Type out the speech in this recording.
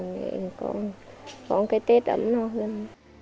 để có cái tết ấm no hơn